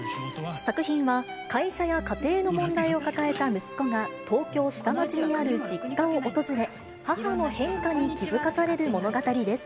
作品は、会社や家庭の問題を抱えた息子が、東京下町にある実家を訪れ、母の変化に気付かされる物語です。